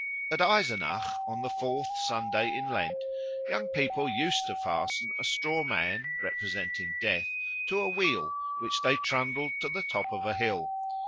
At Eisenach on the fourth Sunday in Lent young people used to fasten a straw man, representing Death, to a wheel, which they trundled to the top of a hill.